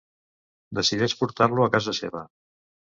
Decideix portar-lo a casa seva.